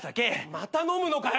また飲むのかよ！